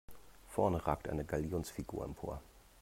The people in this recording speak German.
Vorne ragt eine Galionsfigur empor.